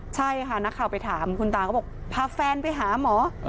ใช่ค่ะนักข่าวไปถามคุณตาก็บอกพาแฟนไปหาหมอ